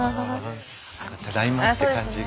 ただいまって感じがしますね。